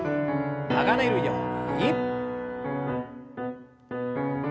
流れるように。